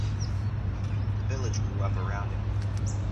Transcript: The village grew up around it.